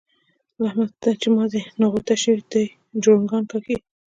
احمد ته چې مازي نغوته شوي؛ دی جوړنګان کاږي.